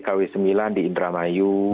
kawi semila di indramayu